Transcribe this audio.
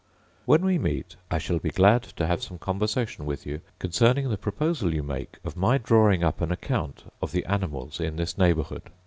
When we meet, I shall be glad to have some conversation with you concerning the proposal you make of my drawing up an account of the animals in this neighbourhood.